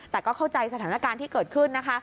แต่ก็เข้าใจสถานการณ์ที่เกิดขึ้นนะคะ